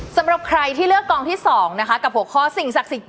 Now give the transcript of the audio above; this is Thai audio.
สำหรับใครที่เลือกกองที่๒นะคะกับหัวข้อสิ่งศักดิ์สิทธิ์